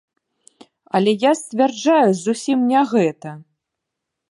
Але я сцвярджаю зусім не гэта.